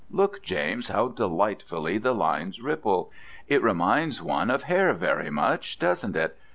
Look, James, how delightfully the lines ripple. It reminds one of hair, very much, doesn't it.